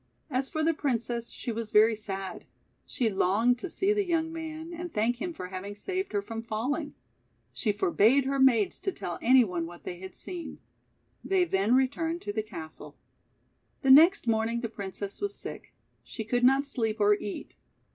As for the Princess she was very sad. She longed to see the young man, and thank him for having saved her from falling. She forbade her maids to tell any one what they had seen. They then returned to the castle. The next morning the Princess was sick. She could not sleep or eat.